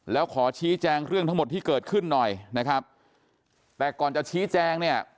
แล้วขอชี้แจงเรื่องทั้งหมดที่เกิดขึ้นหน่อยนะครับแต่ก่อนจะชี้แจงเนี่ย